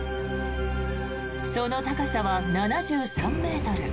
その高さは７３ｍ。